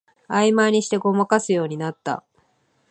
あいまいにしてごまかすようになった